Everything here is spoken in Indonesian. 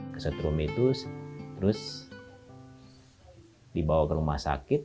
kesetrum itu terus dibawa ke rumah sakit